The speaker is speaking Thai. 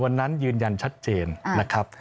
วันนั้นยืนยันชัดเจนนะครับ